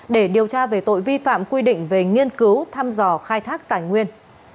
để điều tra về tội vi phạm quy định về nghiên cứu thăm dò khai thác tài nguyên